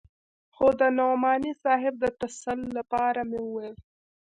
خو د نعماني صاحب د تسل لپاره مې وويل.